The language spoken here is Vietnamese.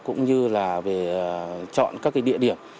cũng như là về chọn các cái địa điểm